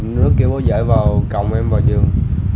nó kêu bố dạy vào còng em vào giường